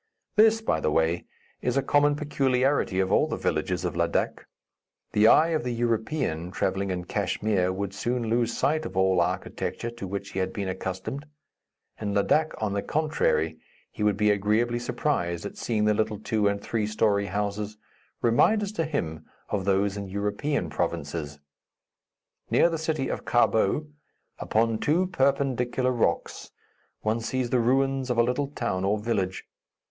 This, by the way, is a common peculiarity of all the villages of Ladak. The eye of the European, travelling in Kachmyr, would soon lose sight of all architecture to which he had been accustomed. In Ladak, on the contrary, he would be agreeably surprised at seeing the little two and three story houses, reminders to him of those in European provinces. Near the city of Karbou, upon two perpendicular rocks, one sees the ruins of a little town or village.